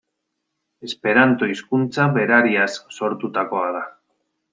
Esperanto hizkuntza berariaz sortutakoa da.